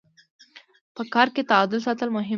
په کار کي تعادل ساتل مهم دي.